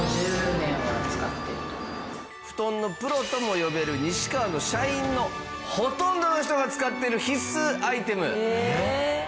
布団のプロとも呼べる西川の社員のほとんどの人が使っている必須アイテム！